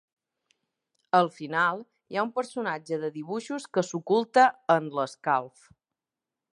Al final hi ha un personatge de dibuixos que s'oculta en l'escalf.